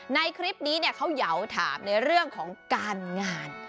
ในคลิปนี้เขาเหยาถามในเรื่องของการงาน